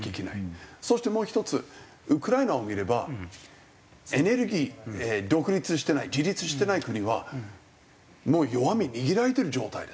そしてもう１つウクライナを見ればエネルギー独立してない自立してない国はもう弱み握られてる状態です。